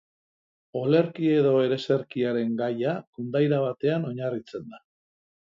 Olerki edo ereserkiaren gaia kondaira batean oinarritzen da.